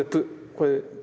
これ。